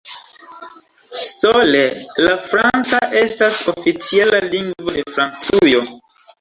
Sole la franca estas oficiala lingvo de Francujo.